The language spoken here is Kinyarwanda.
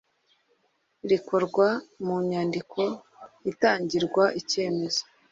Rikorwa mu nyandiko itangirwa icyemezo